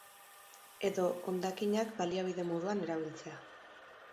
Edo hondakinak baliabide moduan erabiltzea.